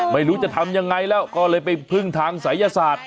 ไม่รู้จะทำยังไงแล้วก็เลยไปพึ่งทางศัยศาสตร์